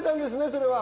それは。